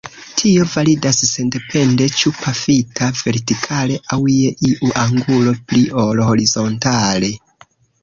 Tio validas sendepende ĉu pafita vertikale aŭ je iu angulo pli ol horizontale.